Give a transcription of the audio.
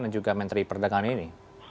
dan juga menteri perdagangan ini